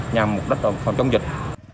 nhằm mục đích phòng chống dịch